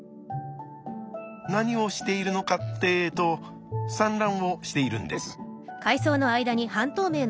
何をしているのかってえと産卵をしているんです。